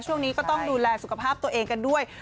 ช่วงนี้ก็ต้องดูแลสุขภาพตัวเองกันด้วย